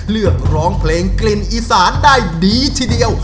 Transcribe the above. ร้องเพลงกลิ่นอีสานได้ดีทีเดียว